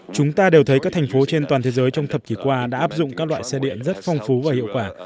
chúng ta đều thấy các thành phố trên toàn thế giới trong thập kỷ qua đã áp dụng các loại xe điện rất phong phú và hiệu quả